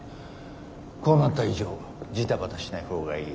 こうなった以上ジタバタしない方がいい。